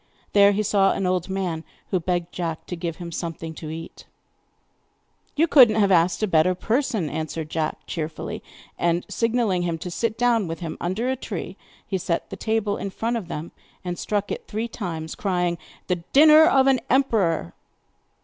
There he saw an old man, who begged Jack to give him something to eat. 'You could not have asked a better person,' answered Jack cheerfully. And signing to him to sit down with him under a tree, he set the table in front of them, and struck it three times, crying: 'The dinner of an emperor!